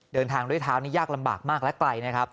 เดินทางด้วยเท้านี้ยากลำบากมากและไกลนะครับ